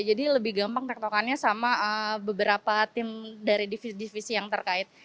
jadi lebih gampang tek tokannya sama beberapa tim dari divisi divisi yang terkait